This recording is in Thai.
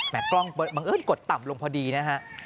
กล้องบังเอิญกดต่ำลงพอดีนะฮะ